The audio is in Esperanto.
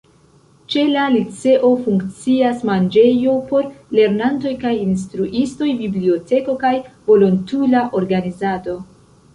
Ĉe la liceo funkcias manĝejo por lernantoj kaj instruistoj, biblioteko kaj volontula organizado.